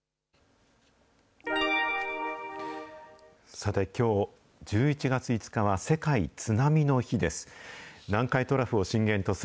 さて、きょう１１月５日は、世界津波の日です。